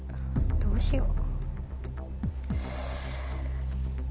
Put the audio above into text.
どうしよう。